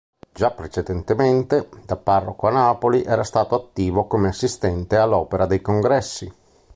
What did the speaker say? Già precedentemente, da parroco a Napoli, era stato attivo come assistente dell'Opera dei Congressi.